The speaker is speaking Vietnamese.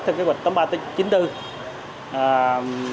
theo cái bản thân của công an đà nẵng